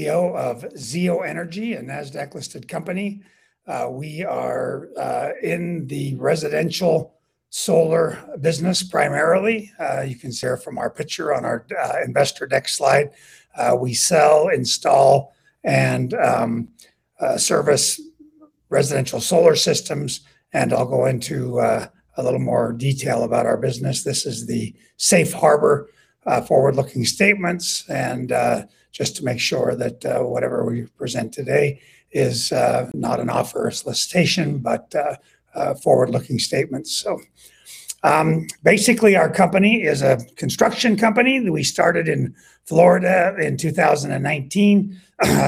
CEO of Zeo Energy, a NASDAQ-listed company. We are in the residential solar business primarily. You can see it from our picture on our investor deck slide. We sell, install, and service residential solar systems, and I'll go into a little more detail about our business. This is the safe harbor forward-looking statements, and just to make sure that whatever we present today is not an offer or solicitation, but forward-looking statements. Basically, our company is a construction company that we started in Florida in 2019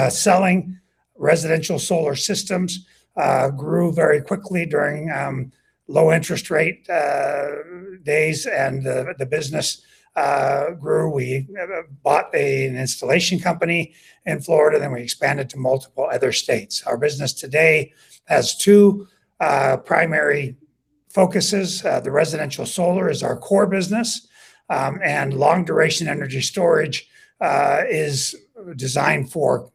selling residential solar systems, grew very quickly during low interest rate days, and the business grew. We bought an installation company in Florida, then we expanded to multiple other states. Our business today has two primary focuses. The Residential Solar is our core business, and long-duration energy storage is designed for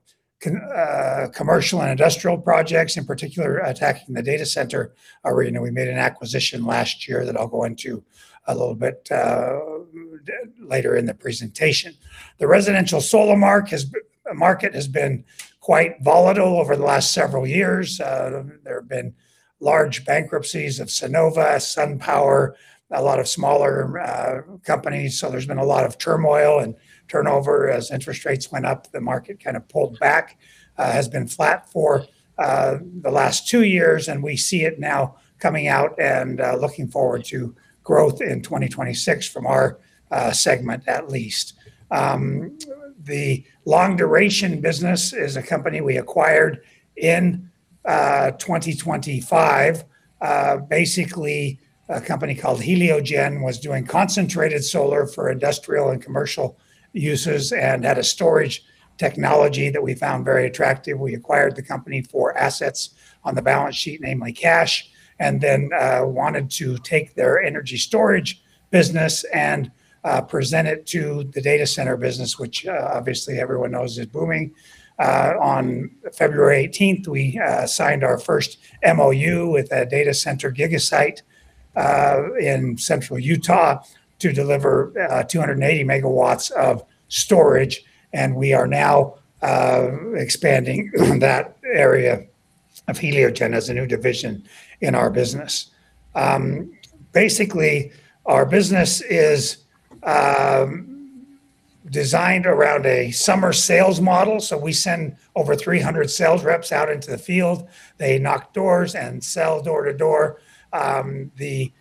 commercial and industrial projects, in particular attacking the data center arena. We made an acquisition last year that I'll go into a little bit later in the presentation. The Residential Solar market has been quite volatile over the last several years. There have been large bankruptcies of Sunnova, SunPower, a lot of smaller companies. There's been a lot of turmoil and turnover as interest rates went up. The market kind of pulled back, has been flat for the last two years, and we see it now coming out and looking forward to growth in 2026 from our segment at least. The long-duration business is a company we acquired in 2025. Basically, a company called Heliogen was doing concentrated solar for industrial and commercial uses and had a storage technology that we found very attractive. We acquired the company for assets on the balance sheet, namely cash, and then wanted to take their energy storage business and present it to the data center business, which obviously everyone knows is booming. On February 18th, we signed our first MOU with a data center Gigasite in central Utah to deliver 280 MW of storage, and we are now expanding that area of Heliogen as a new division in our business. Basically, our business is designed around a summer sales model, so we send over 300 sales reps out into the field. They knock doors and sell door to door. The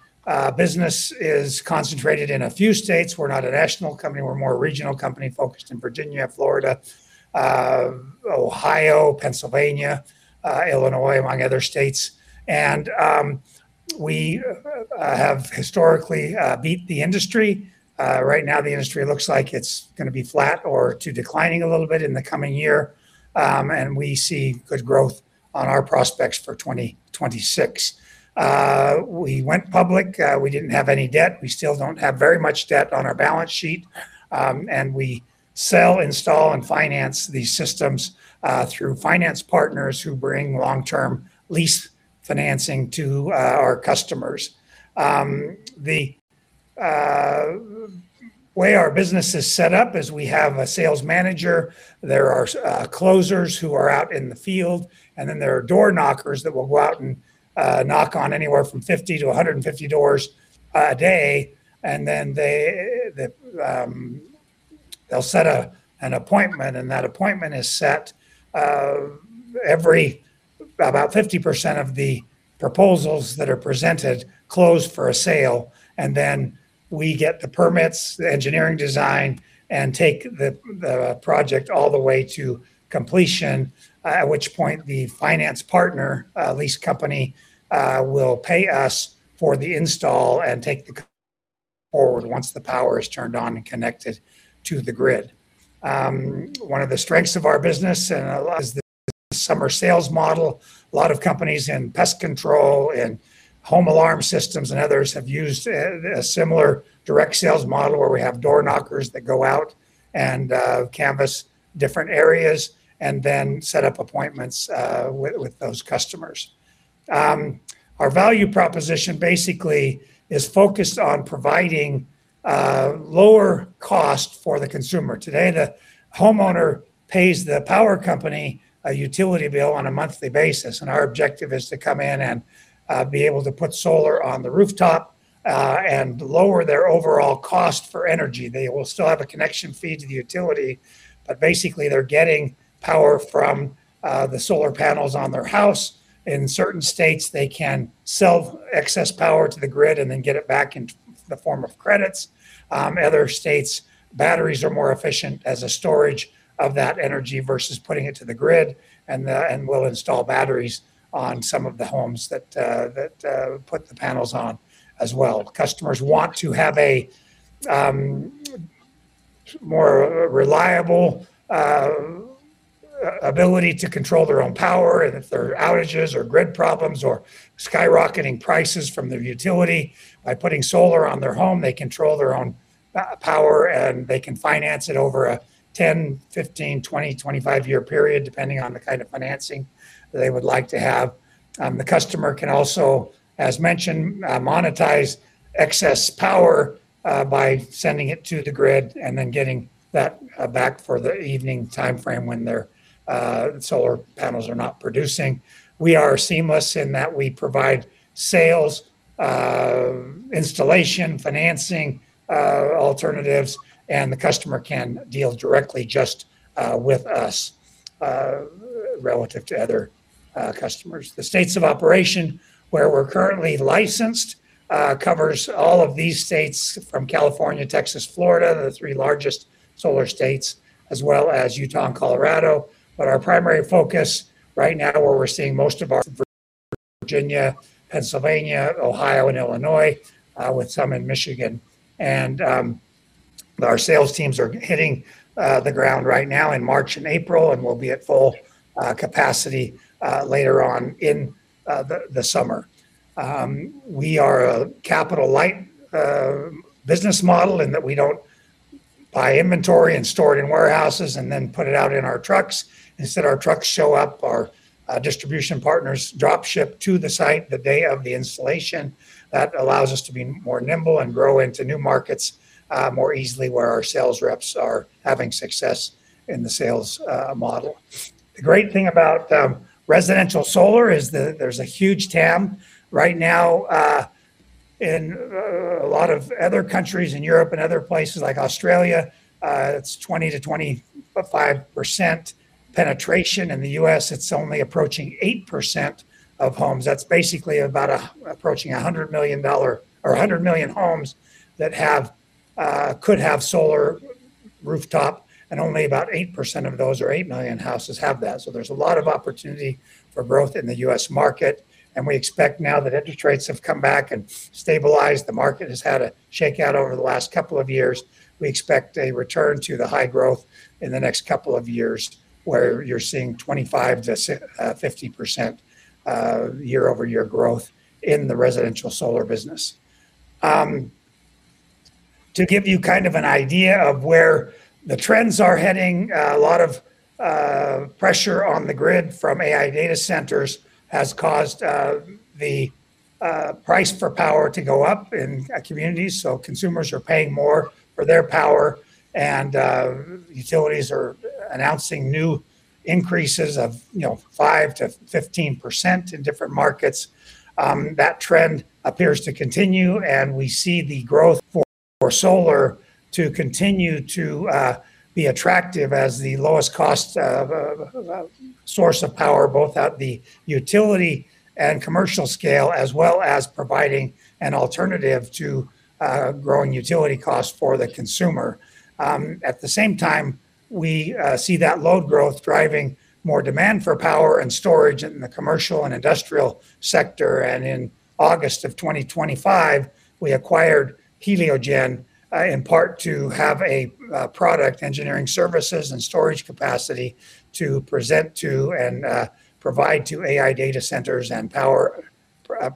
business is concentrated in a few states. We're not a national company. We're a more regional company focused in Virginia, Florida, Ohio, Pennsylvania, Illinois, among other states. We have historically beat the industry. Right now the industry looks like it's gonna be flat to declining a little bit in the coming year, and we see good growth on our prospects for 2026. We went public. We didn't have any debt. We still don't have very much debt on our balance sheet, and we sell, install, and finance these systems through finance partners who bring long-term lease financing to our customers. The way our business is set up is we have a sales manager. There are closers who are out in the field, and then there are door knockers that will go out and knock on anywhere from 50 to 150 doors a day. They will set an appointment, and that appointment is set. About 50% of the proposals that are presented close for a sale, and then we get the permits, the engineering design, and take the project all the way to completion. At which point the finance partner, lease company, will pay us for the install to I think once the power is turned on and connected to the grid. One of the strengths of our business and I like the summer sales model, a lot of companies in pest control and home alarm systems and others have used a similar direct sales model where we have door knockers that go out and canvas different areas and then set up appointments with those customers. Our value proposition basically is focused on providing a lower cost for the consumer. Today, the homeowner pays the power company, a utility bill on a monthly basis, and our objective is to come in and be able to put solar on the rooftop and lower their overall cost per energy. They will still have to connection feed to the utility, but basically they're getting power from the solar panels on their house. In certain states, they can sell excess power to the grid and then get it back in the form of credits. Other states, batteries are more efficient as a storage of that energy versus putting it to the grid, and then we'll install batteries on some of the homes that put the panels on as well. Customers want to have a more reliable ability to control their own power and if there are outages or grid problems or skyrocketing prices from their utility. By putting solar on their home, they control their own power and they can finance it over a 10, 15, 20, 25 year period, depending on the kind of financing they would like to have. The customer can also, as mentioned, monetize excess power by sending it to the grid and then getting that back for the evening timeframe when their solar panels are not producing. We are seamless in that we provide sales, installation, financing alternatives, and the customer can deal directly just with us relative to other customers. The states of operation where we're currently licensed covers all of these states from California, Texas, Florida, the three largest solar states, as well as Utah and Colorado. Our primary focus right now where we're seeing most of our Virginia, Pennsylvania, Ohio, and Illinois with some in Michigan. Our sales teams are hitting the ground right now in March and April, and we'll be at full capacity later on in the summer. We are a capital-light business model in that we don't buy inventory and store it in warehouses and then put it out in our trucks. Instead, our trucks show up, our distribution partners drop ship to the site the day of the installation. That allows us to be more nimble and grow into new markets more easily where our sales reps are having success in the sales model. The great thing about residential solar is that there's a huge TAM right now in a lot of other countries in Europe and other places like Australia. It's 20-25% penetration. In the U.S., it's only approaching 8% of homes. That's basically about approaching 100 million homes that could have solar rooftop, and only about 8% of those or 8 million houses have that. There's a lot of opportunity for growth in the U.S. market. We expect now that interest rates have come back and stabilized, the market has had a shakeout over the last couple of years. We expect a return to the high growth in the next couple of years, where you're seeing 25%-50% year-over-year growth in the residential solar business. To give you kind of an idea of where the trends are heading, a lot of pressure on the grid from AI data centers has caused the price for power to go up in communities. Consumers are paying more for their power and utilities are announcing new increases of, you know, 5%-15% in different markets. That trend appears to continue, and we see the growth for solar to continue to be attractive as the lowest cost of source of power, both at the utility and commercial scale, as well as providing an alternative to growing utility costs for the consumer. At the same time, we see that load growth driving more demand for power and storage in the commercial and industrial sector. In August 2025, we acquired Heliogen, in part to have a product engineering services and storage capacity to present to and provide to AI data centers and power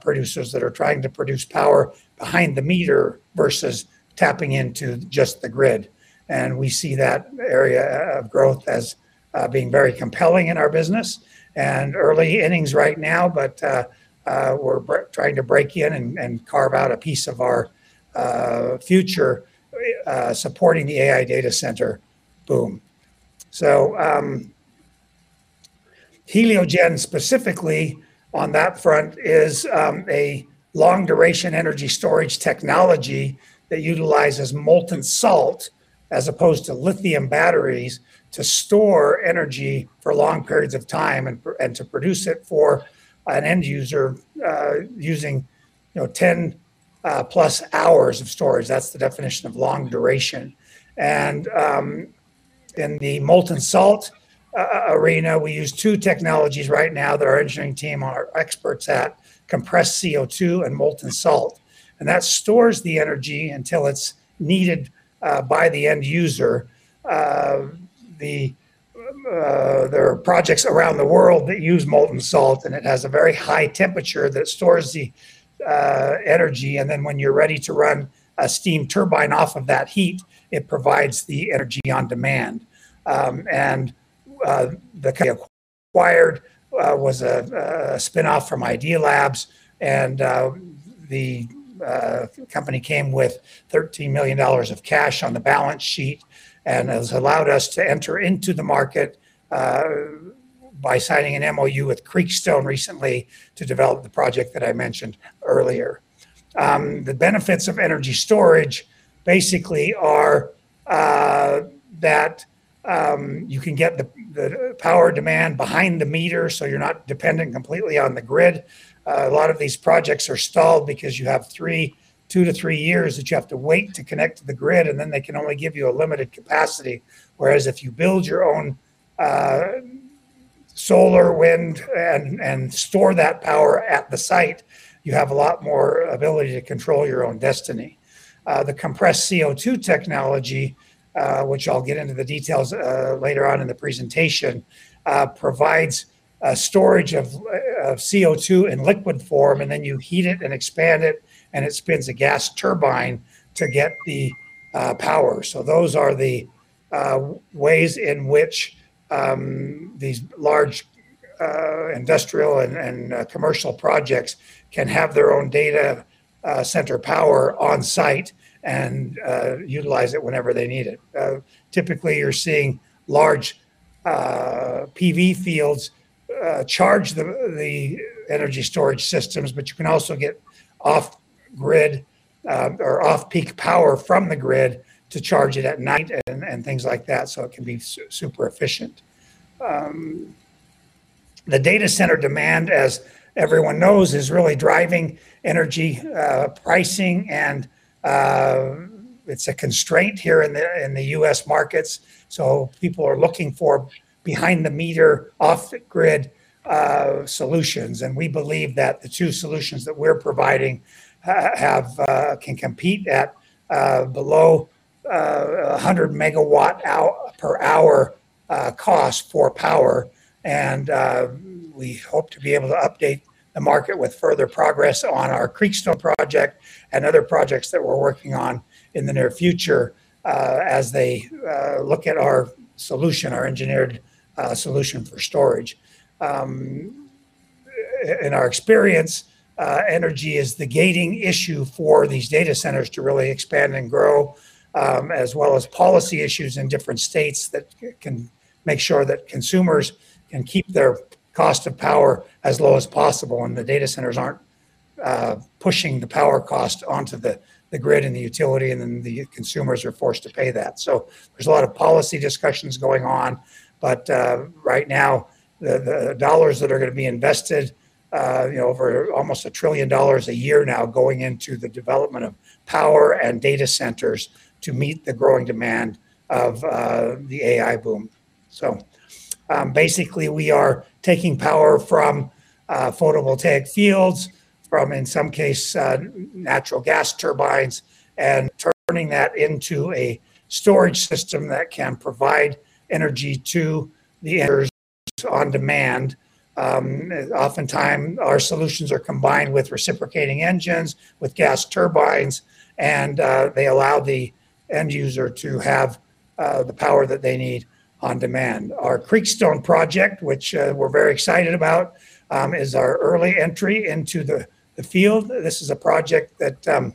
producers that are trying to produce power behind the meter versus tapping into just the grid. We see that area of growth as being very compelling in our business and early innings right now. We're trying to break in and carve out a piece of our future supporting the AI data center boom. Heliogen specifically on that front is a long-duration energy storage technology that utilizes molten salt as opposed to lithium batteries to store energy for long periods of time and to produce it for an end user using, you know, 10 plus hours of storage. That's the definition of long duration. In the molten salt arena, we use two technologies right now that our engineering team are experts at, compressed CO2 and molten salt. That stores the energy until it's needed by the end user. There are projects around the world that use molten salt, and it has a very high temperature that stores the energy. Then when you're ready to run a steam turbine off of that heat, it provides the energy on demand. The acquired was a spinoff from Idealab, and the company came with $13 million of cash on the balance sheet and has allowed us to enter into the market by signing an MOU with Creekstone recently to develop the project that I mentioned earlier. The benefits of energy storage basically are that you can get the power demand behind the meter, so you're not dependent completely on the grid. A lot of these projects are stalled because you have 2-3 years that you have to wait to connect to the grid, and then they can only give you a limited capacity. Whereas if you build your own solar, wind and store that power at the site, you have a lot more ability to control your own destiny. The compressed CO2 technology, which I'll get into the details later on in the presentation, provides storage of CO2 in liquid form, and then you heat it and expand it, and it spins a gas turbine to get the power. Those are the ways in which these large industrial and commercial projects can have their own data center power on site and utilize it whenever they need it. Typically, you're seeing large PV fields charge the energy storage systems, but you can also get off grid or off-peak power from the grid to charge it at night and things like that, so it can be super efficient. The data center demand, as everyone knows, is really driving energy pricing and it's a constraint here in the U.S. markets. People are looking for behind-the-meter, off-the-grid solutions. We believe that the two solutions that we're providing can compete at below $100 per MWh cost for power. We hope to be able to update the market with further progress on our Creekstone project and other projects that we're working on in the near future, as they look at our solution, our engineered solution for storage. In our experience, energy is the gating issue for these data centers to really expand and grow, as well as policy issues in different states that can make sure that consumers can keep their cost of power as low as possible, and the data centers aren't pushing the power cost onto the grid and the utility, and then the consumers are forced to pay that. There's a lot of policy discussions going on. Right now, the dollars that are gonna be invested, you know, over almost $1 trillion a year now going into the development of power and data centers to meet the growing demand of the AI boom. Basically we are taking power from photovoltaic fields, in some cases, natural gas turbines and turning that into a storage system that can provide energy to the end users on demand. Oftentimes our solutions are combined with reciprocating engines, with gas turbines, and they allow the end user to have the power that they need on demand. Our Creekstone project, which we're very excited about, is our early entry into the field. This is a project that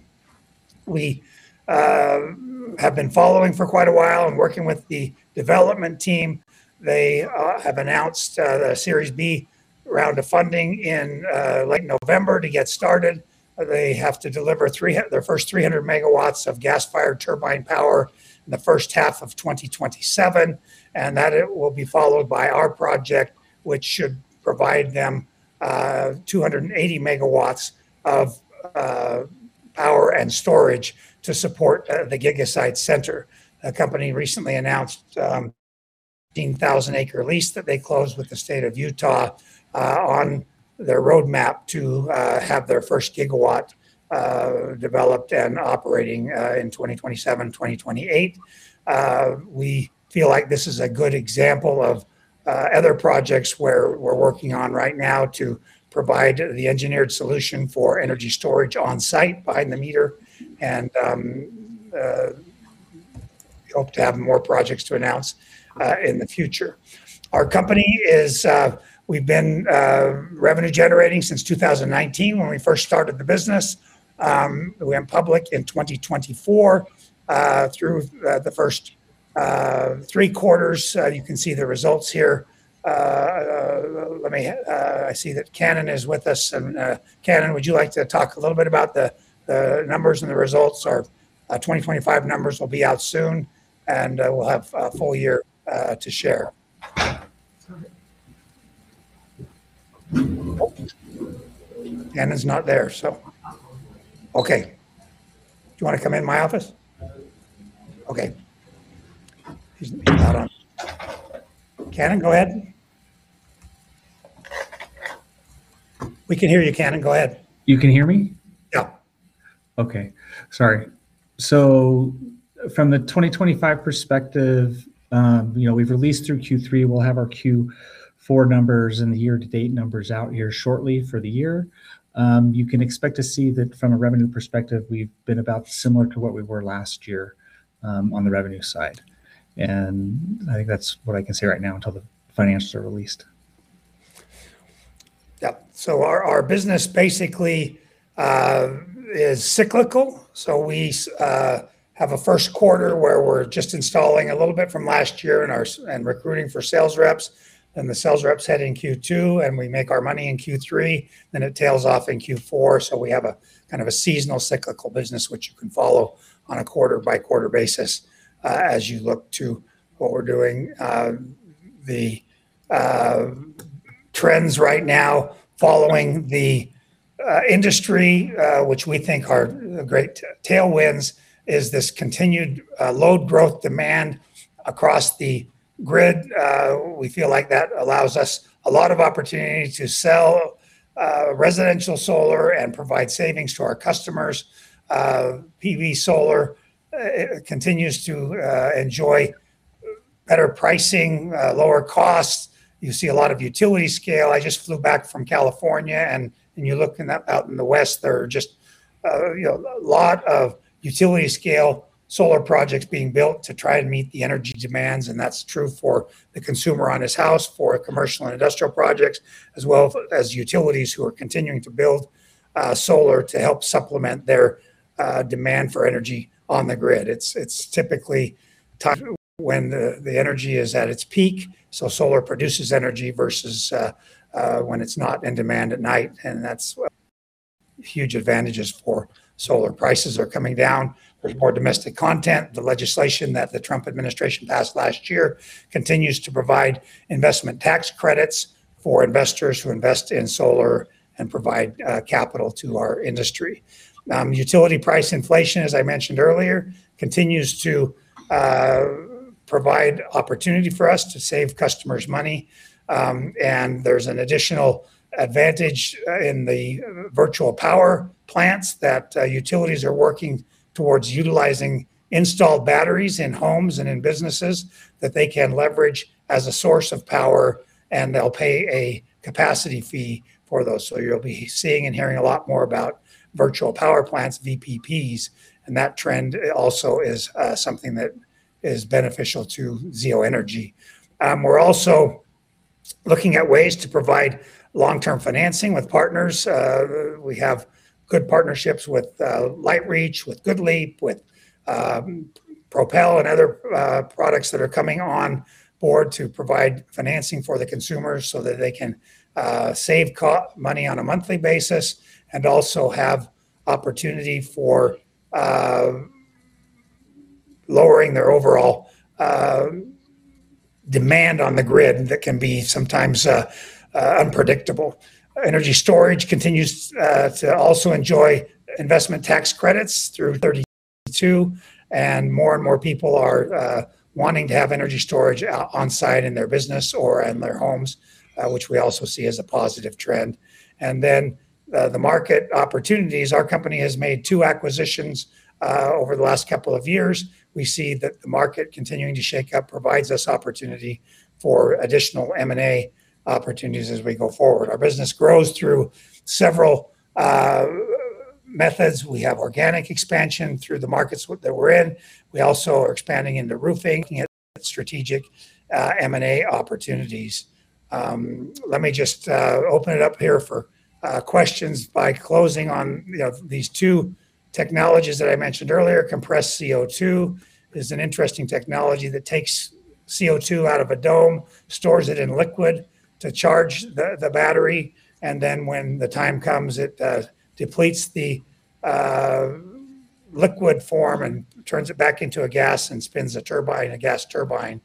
we have been following for quite a while and working with the development team. They have announced the Series B round of funding in November to get started. They have to deliver their first 300 MW of gas-fired turbine power in the first half of 2027, and that it will be followed by our project, which should provide them 280 MW of power and storage to support the Gigasite center. The company recently announced a 15,000-acre lease that they closed with the state of Utah on their roadmap to have their first gigawatt developed and operating in 2027, 2028. We feel like this is a good example of other projects where we're working on right now to provide the engineered solution for energy storage on site behind the meter and we hope to have more projects to announce in the future. We've been revenue generating since 2019 when we first started the business. We went public in 2024 through the first three quarters. You can see the results here. I see that Cannon is with us and Cannon, would you like to talk a little bit about the numbers and the results? Our 2025 numbers will be out soon, and we'll have a full year to share. Cannon's not there, so. Okay. Do you wanna come in my office? Okay. He's not on. Cannon, go ahead. We can hear you, Cannon. Go ahead. You can hear me? Yeah. From the 2025 perspective, you know, we've released through Q3. We'll have our Q4 numbers and the year-to-date numbers out here shortly for the year. You can expect to see that from a revenue perspective, we've been about similar to what we were last year, on the revenue side. I think that's what I can say right now until the financials are released. Yep. Our business basically is cyclical. We have a first quarter where we're just installing a little bit from last year and our sales and recruiting for sales reps, and the sales reps hit in Q2, and we make our money in Q3, then it tails off in Q4. We have a kind of a seasonal cyclical business, which you can follow on a quarter-by-quarter basis, as you look to what we're doing. The trends right now following the industry, which we think are great tailwinds, is this continued load growth demand across the grid. We feel like that allows us a lot of opportunity to sell residential solar and provide savings to our customers. PV solar continues to enjoy better pricing, lower costs. You see a lot of utility scale. I just flew back from California, and when you look out in the west, there are just, you know, a lot of utility scale solar projects being built to try and meet the energy demands. That's true for the consumer on his house, for commercial and industrial projects, as well as utilities who are continuing to build solar to help supplement their demand for energy on the grid. It's typically tied when the energy is at its peak, so solar produces energy versus when it's not in demand at night. That's huge advantages for solar. Prices are coming down. There's more domestic content. The legislation that the Trump administration passed last year continues to provide investment tax credits for investors who invest in solar and provide capital to our industry. Utility price inflation, as I mentioned earlier, continues to provide opportunity for us to save customers money. There's an additional advantage in the virtual power plants that utilities are working towards utilizing installed batteries in homes and in businesses that they can leverage as a source of power, and they'll pay a capacity fee for those. You'll be seeing and hearing a lot more about virtual power plants, VPPs. That trend also is something that is beneficial to Zeo Energy. We're also looking at ways to provide long-term financing with partners. We have good partnerships with LightReach, with GoodLeap, with Propel and other products that are coming on board to provide financing for the consumers so that they can save money on a monthly basis and also have opportunity for lowering their overall demand on the grid that can be sometimes unpredictable. Energy storage continues to also enjoy investment tax credits through 2032, and more and more people are wanting to have energy storage on site in their business or in their homes, which we also see as a positive trend. The market opportunities, our company has made 2 acquisitions over the last couple of years. We see the market continuing to shake up provides us opportunity for additional M&A opportunities as we go forward. Our business grows through several methods. We have organic expansion through the markets that we're in. We also are expanding into roofing at strategic M&A opportunities. Let me just open it up here for questions by closing on, you know, these two technologies that I mentioned earlier. Compressed CO2 is an interesting technology that takes CO2 out of a dome, stores it in liquid to charge the battery, and then when the time comes, it depletes the liquid form and turns it back into a gas and spins a turbine, a gas turbine.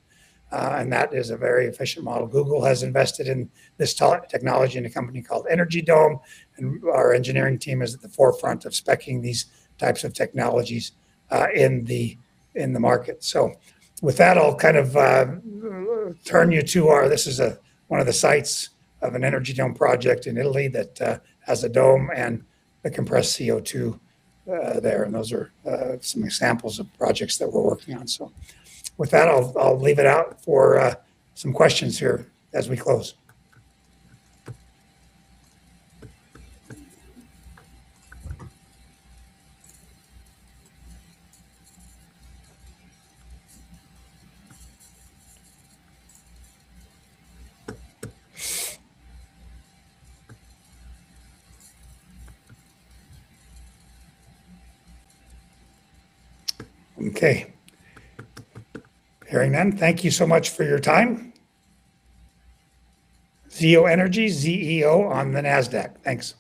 That is a very efficient model. Google has invested in this technology in a company called Energy Dome, and our engineering team is at the forefront of spec-ing these types of technologies in the market. With that, I'll kind of turn you to our... This is one of the sites of an Energy Dome project in Italy that has a dome and a compressed CO2 there. Those are some examples of projects that we're working on. With that, I'll leave it open for some questions here as we close. Okay. Hearing none, thank you so much for your time. Zeo Energy, ZEO on the NASDAQ. Thanks.